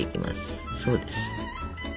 そうです。